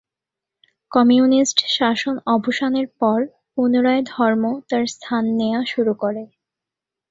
Communist শাসন অবসানের পর পুনরায় ধর্ম তার স্থান নেয়া শুরু করে।